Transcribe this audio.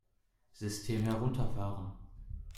System herunterfahren!